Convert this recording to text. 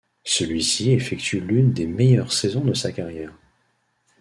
Celui-ci effectue l'une des meilleures saisons de sa carrière.